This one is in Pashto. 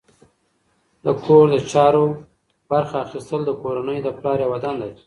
د کور د چارو برخه اخیستل د کورنۍ د پلار یوه دنده ده.